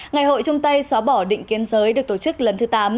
ngày hội trung tây xóa bỏ định kiên giới được tổ chức lần thứ tám